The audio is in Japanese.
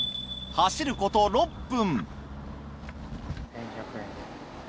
走ること６分。